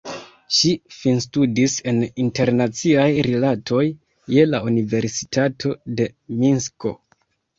Ŝi finstudis en internaciaj rilatoj je la Universitato de Minsko.